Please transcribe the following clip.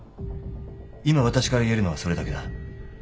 今私から言えるのはそれだけだ。